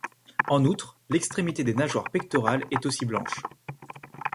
En outre, l'extrémité des nageoires pectorales est aussi blanche.